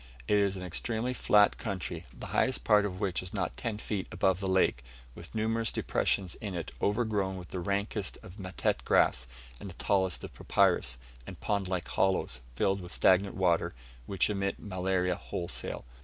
It is an extremely flat country, the highest part of which is not ten feet above the lake, with numerous depressions in it overgrown with the rankest of matete grass and the tallest of papyrus, and pond like hollows, filled with stagnant water, which emit malaria wholesale.